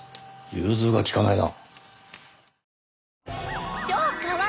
融通が利かないな。